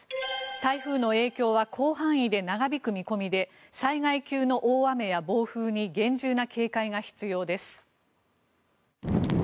台風の影響は広範囲で長引く見込みで災害級の大雨や暴風に厳重な警戒が必要です。